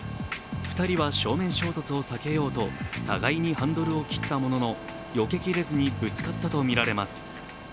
２人は正面衝突を避けようと互いにハンドルを切ったもののよけ切れずにぶつかったとみられます。